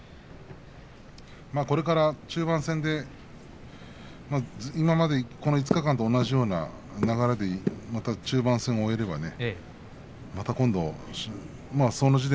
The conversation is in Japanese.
これから中盤戦で今まで５日間と同じような流れで中盤戦を終えればね。